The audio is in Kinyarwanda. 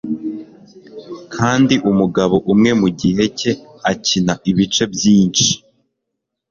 kandi umugabo umwe mu gihe cye akina ibice byinshi